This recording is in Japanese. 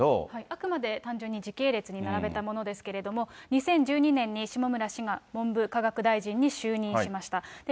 あくまで単純に時系列に並べたものですけれども、２０１２年に下村氏が文部科学大臣に就任しました。